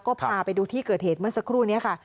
ก็พาไปดูที่เกิดเหตุเมื่อสักครู่นี้ค่ะ